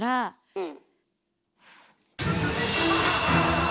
うん。